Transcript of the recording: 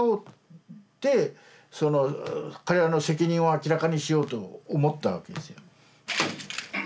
彼らの責任を明らかにしようと思ったわけですよ。